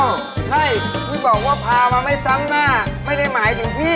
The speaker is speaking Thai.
ใช่พี่บอกว่าพามาไม่ซ้ำหน้าไม่ได้หมายถึงพี่